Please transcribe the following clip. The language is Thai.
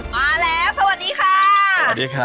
มาแล้วสวัสดีค่ะ